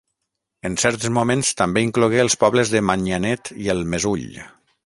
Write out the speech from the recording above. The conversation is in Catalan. En certs moments també inclogué els pobles de Manyanet i el Mesull.